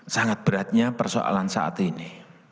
sangat beratnya persoalan saat ini